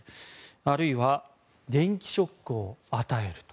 あるいは電気ショックを与える。